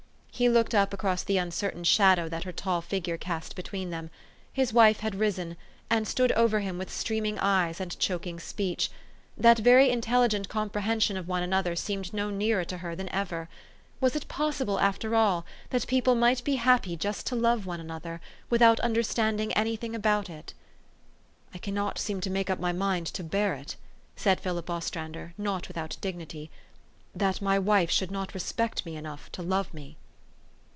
He looked up across the uncertain shadow that her tall figure cast between them. His wife had risen, and stood over him with streaming eyes and choking speech. That very intelligent comprehension of one another seemed no nearer to her than ever. Was it possible, after all, that people might be happy just to love one another, without understanding any thing about it? " I cannot seem to make up my mind to bear it," said Philip Ostrander, not without dignity, " that my wife should not respect me enough to love me."